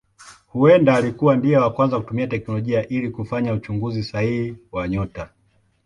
Huenda alikuwa ndiye wa kwanza kutumia teknolojia ili kufanya uchunguzi sahihi wa nyota.